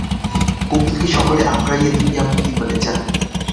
কুমুদকে সবলে আঁকড়াইয়া ধরিয়া মতি বলে, যাহ।